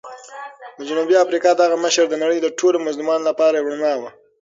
د جنوبي افریقا دغه مشر د نړۍ د ټولو مظلومانو لپاره یو رڼا وه.